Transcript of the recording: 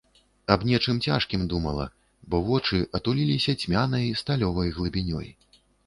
Аб нечым цяжкім думала, бо вочы атуліліся цьмянай, сталёвай глыбінёй.